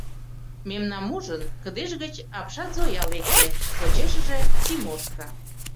Мемнам ужын, кыдеж гыч апшат Зоя лекте, почешыже — Тимошка.